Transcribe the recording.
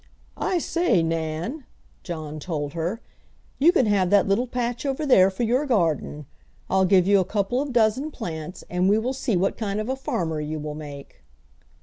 "I say, Nan," John told her, "you can have that little patch over there for your garden. I'll give you a couple of dozen plants, and we will see what kind of a farmer you will make."